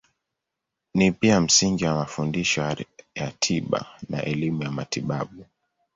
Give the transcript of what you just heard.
Ni pia msingi wa mafundisho ya tiba na elimu ya matibabu.